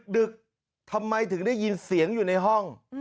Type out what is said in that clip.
ดึกทำไมถึงได้ยินเสียงอยู่ในห้อง